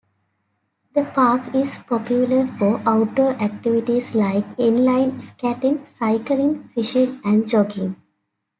The park is popular for outdoor activities like inline skating, cycling, fishing and jogging.